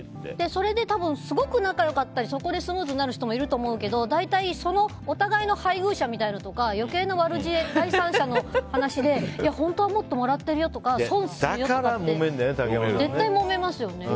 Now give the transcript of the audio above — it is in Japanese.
それで、すごく仲良かったりスムーズになる人もいると思うけど大体お互いの配偶者とか余計な悪知恵で第三者の話で本当はもっともらってるよとか損してるよとか。